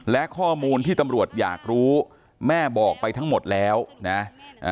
และข้อมูลที่ตำรวจอยากรู้แม่บอกไปทั้งหมดแล้วนะ